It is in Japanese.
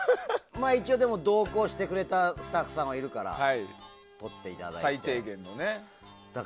一応、でも同行してくれたスタッフさんがいるから撮っていただいて。